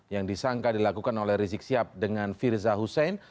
yang disangka dilakukan oleh rizik sihab dengan firza husein